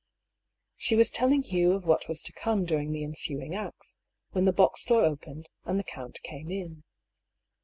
She was telling Hugh of what was to come during the ensuing acts, when the box door opened, and the count came in.